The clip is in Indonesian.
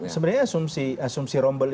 sebenarnya asumsi rombel itu